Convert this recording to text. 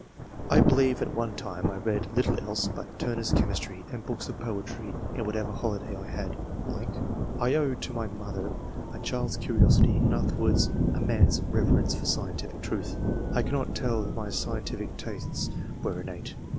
.... I believe at one time I read little else but * Turner's Chemistry' and books of poetry in whatever holiday 1 had. ... I owe to my mother a child's curiosity and afterwards a man's reverence for scientific truth. I cannot tell if my seientifi(.' tastes were innate.